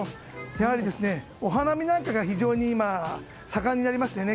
お花見なんかが非常に盛んになりましてね